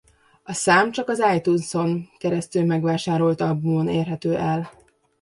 A szám csak az iTunes-on keresztül megvásárolt albumon érhető el.